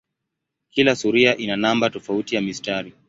Kila sura ina namba tofauti ya mistari.